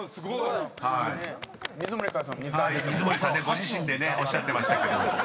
ご自身でねおっしゃってましたけれども］